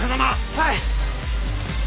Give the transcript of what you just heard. はい！